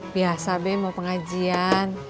biasa be mau pengajian